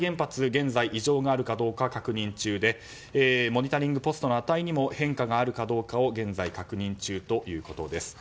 現在、異常があるかどうか確認中でモニタリングポストの値にも変化があるか現在、確認中ということです。